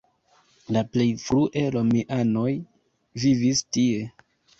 La plej frue romianoj vivis tie.